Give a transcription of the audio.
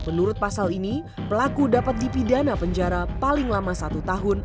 menurut pasal ini pelaku dapat dipidana penjara paling lama satu tahun